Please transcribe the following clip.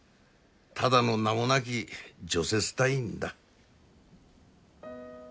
ただの名もなき除雪隊員だ。